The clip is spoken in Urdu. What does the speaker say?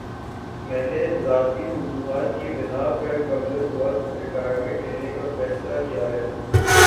میں نے ذاتی وجوہات کی بِنا پر قبلازوقت ریٹائرمنٹ لینے کا فیصلہ کِیا ہے